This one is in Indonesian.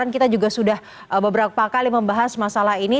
kita juga sudah beberapa kali membahas masalah ini